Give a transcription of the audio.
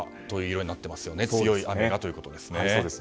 赤、強い雨がということですね。